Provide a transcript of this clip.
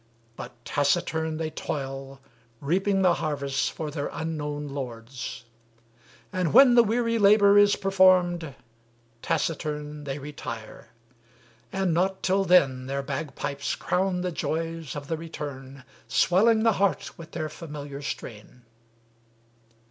But taciturn they toil, Reaping the harvests for their unknowrn lords; And when the weary labor is performed, Taciturn they retire; and not till then Their bagpipes crown the joys of the return, Swelling the heart with their familiar strain.